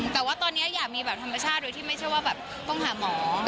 แต่ว่าตอนนี้อยากมีแบบธรรมชาติโดยที่ไม่ใช่ว่าแบบต้องหาหมอ